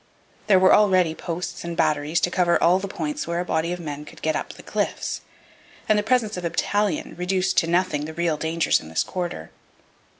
There were already posts and batteries to cover all the points where a body of men could get up the cliffs, and the presence of a battalion reduced to nothing the real dangers in this quarter.